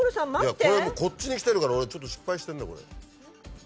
これはもうこっちにきてるから俺ちょっと失敗してんなこれ。